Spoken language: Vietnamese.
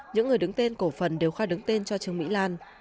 những người đứng tên cổ phần đều khai đứng tên cho trương mỹ lan